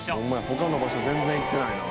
他の場所全然行ってないな。